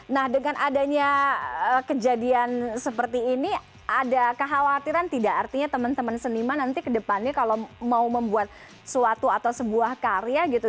nah dengan adanya kejadian seperti ini ada kekhawatiran tidak artinya teman teman seniman nanti ke depannya kalau mau membuat suatu atau sebuah karya gitu